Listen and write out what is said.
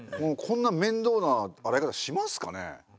こんな面倒な洗い方しますかね？